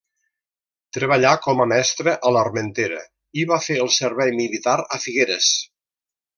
Treballà com a mestre a l'Armentera i va fer el servei militar a Figueres.